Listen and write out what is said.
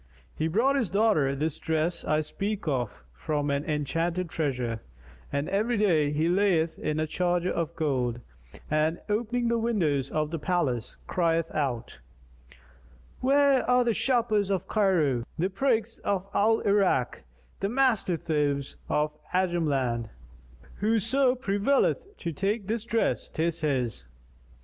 He brought his daughter this dress I speak of from an enchanted treasure, and every day he layeth it in a charger of gold and, opening the windows of the palace, crieth out, 'Where are the sharpers of Cairo, the prigs of Al Irak, the master thieves of Ajam land? Whoso prevaileth to take this dress, 'tis his.